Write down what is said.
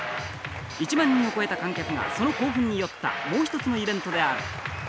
１万人を超えた観客がその興奮に酔ったもう１つのイベントである。